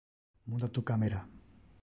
Munda tu camera.